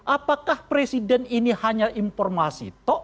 apakah presiden ini hanya informasi tok